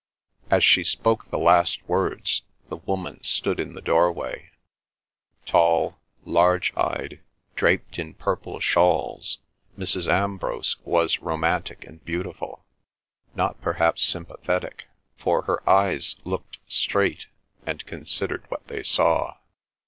As she spoke the last words the woman stood in the doorway. Tall, large eyed, draped in purple shawls, Mrs. Ambrose was romantic and beautiful; not perhaps sympathetic, for her eyes looked straight and considered what they saw.